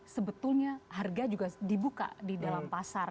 sebetulnya harga juga dibuka di dalam pasar